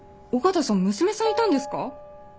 尾形さん娘さんいたんですか？